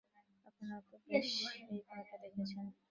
আপনারা তো ব্যস এই কয়টাই দেখছেন।